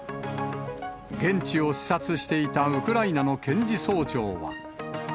現地を視察していたウクライナの検事総長は。